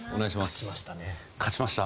勝ちました。